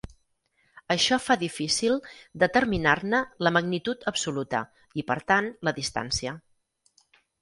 Això fa difícil determinar-ne la magnitud absoluta i, per tant, la distància.